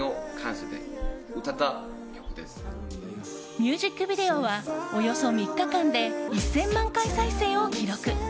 ミュージックビデオはおよそ３日間で１０００万回再生を記録。